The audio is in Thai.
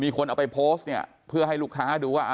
คนเอาไปโพสต์เนี่ยเพื่อให้ลูกค้าดูว่า